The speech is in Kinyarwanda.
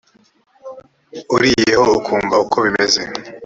uriyeho ukumva uko bimeze